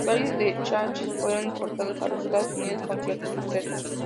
Varios de los chasis fueron exportados a los Estados Unidos con cierto suceso.